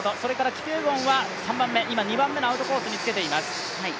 キピエゴンは３番目、今、２番目のアウトコースにつけています。